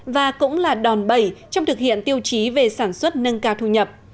và cũng là đòn bẩy trong thực hiện tiêu chí về sản xuất nâng cao thu nhập